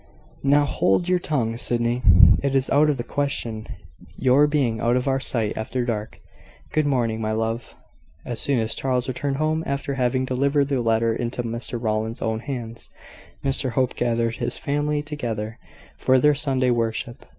Now hold your tongue, Sydney. It is out of the question your being out of our sight after dark. Good morning, my love." As soon as Charles returned home, after having delivered the letter into Mr Rowland's own hands, Mr Hope gathered his family together, for their Sunday worship.